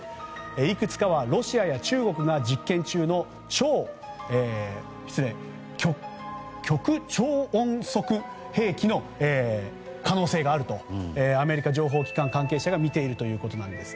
いくつかはロシアや中国が実験中の極超音速兵器の可能性があるとアメリカ情報機関関係者はみているということです。